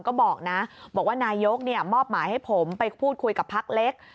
ก็บอกนะบอกว่านายกมอบหมายให้ผมไปพูดคุยกับพักเล็ก